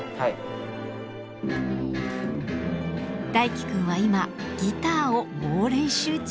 大樹くんは今ギターを猛練習中。